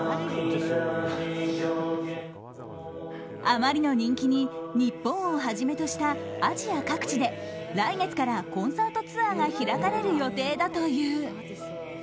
あまりの人気に日本をはじめとしたアジア各地で来月からコンサートツアーが開かれる予定だという。